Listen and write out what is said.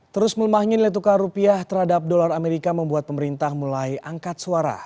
terus melemahnya nilai tukar rupiah terhadap dolar amerika membuat pemerintah mulai angkat suara